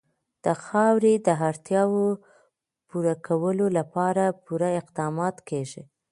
د خاورې د اړتیاوو پوره کولو لپاره پوره اقدامات کېږي.